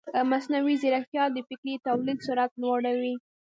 مصنوعي ځیرکتیا د فکري تولید سرعت لوړوي.